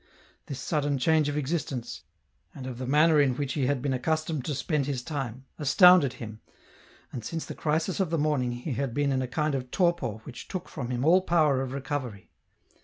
This sudden change of existence, and of the manner in which he had been accustomed to spend his time, astounded him, and since the crisis of the morning he had been in a kind of torpor which took from him all power of recovery.